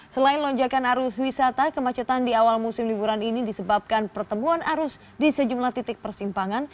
selain lonjakan arus wisata kemacetan di awal musim liburan ini disebabkan pertemuan arus di sejumlah titik persimpangan